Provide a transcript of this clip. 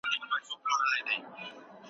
« عنان به میکده خواهیم تافت زین مجلس